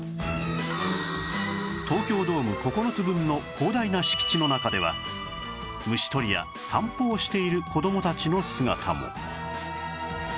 東京ドーム９つ分の広大な敷地の中では虫捕りや散歩をしている子どもたちの姿も